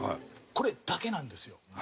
これだけなんですよ